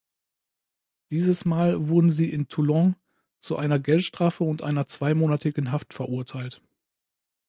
Dieses Mal wurden sie in Toulon zu einer Geldstrafe und einer zweimonatigen Haft verurteilt.